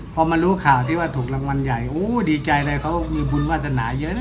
ก็เรารู้ข่าวว่าถูกให้หลังวันใหญ่อู้ดีใจเลยเขามีบุญวาสนาเยอะนะ